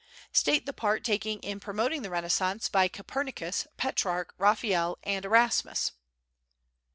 State the part taken in promoting the Renaissance by Copernicus, Petrarch, Raphael and Erasmus.